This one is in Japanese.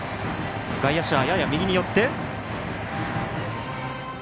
外野手はやや右に寄って。